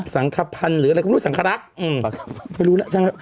สังฆภัณฑ์หรือสังฆรักษ์